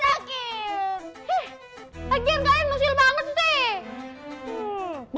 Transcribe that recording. agian kain musil banget sih